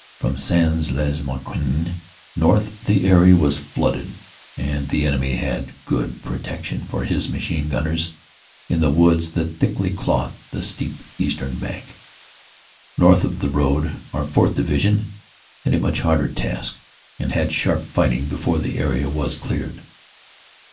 From Sains lez Marquion north the area was flooded and the enemy had good protection for his machine gunners in the woods that thickly clothed the steep eastern bank. North of the road our 4th. Division had a much harder task and had sharp fighting before the area was cleared.